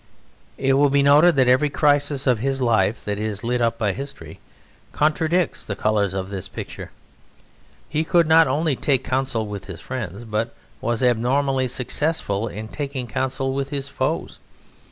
It will be noted that every crisis of his life that is lit up by history contradicts the colours of this picture. He could not only take counsel with his friends, but he was abnormally successful in taking counsel with his foes.